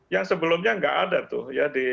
yang sebelumnya tidak ada tuh